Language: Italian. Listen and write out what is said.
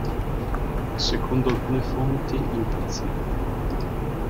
Secondo alcune fonti impazzì.